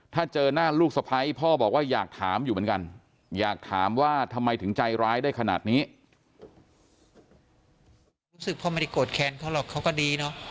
ถ้าเจอหน้าลูกสะพ้ายพ่อบอกว่าอยากถามอยู่เหมือนกันอยากถามว่าทำไมถึงใจร้ายได้ขนาดนี้